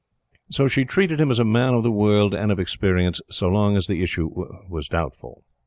So she treated him as a man of the world and of experience so long as the issue was doubtful.